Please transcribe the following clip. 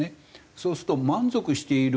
そうすると「満足している」